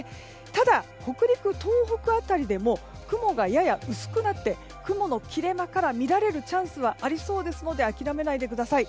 ただ、北陸、東北辺りでも雲がやや薄くなって雲の切れ間から見られるチャンスはありそうですので諦めないでください。